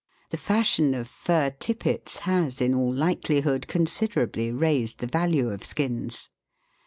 The fashion of fur tippets has in all likelihood considerably raised the value of skins.